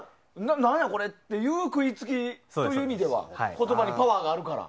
何やこれ？っていう食いつきという意味では言葉にパワーがあるから。